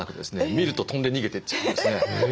見ると飛んで逃げてっちゃうんですね。